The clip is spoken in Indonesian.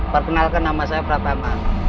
perkenalkan nama saya pratama